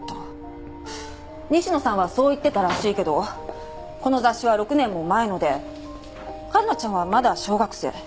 西野さんはそう言ってたらしいけどこの雑誌は６年も前ので環奈ちゃんはまだ小学生。